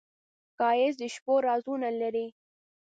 ښایست د شپو رازونه لري